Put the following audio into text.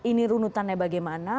ini runutannya bagaimana